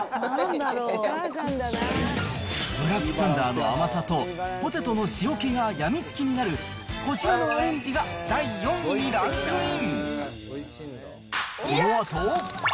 ブラックサンダーの甘さと、ポテトの塩気が病みつきになる、こちらのアレンジが第４位にランクイン。